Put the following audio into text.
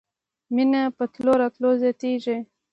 مېنه په تلو راتلو زياتېږي.